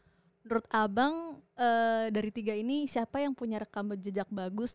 menurut abang dari tiga ini siapa yang punya rekam jejak bagus